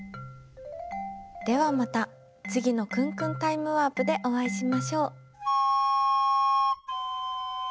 ではまたつぎのくんくんタイムワープでおあいしましょう。